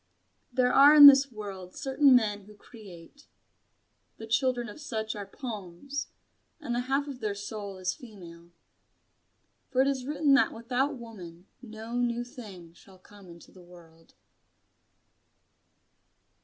There are in this world certain men who create. The children of such are poems, and the half of their soul is female. For it is written that without woman no new thing shall come into the world.